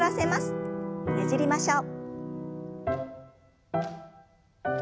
ねじりましょう。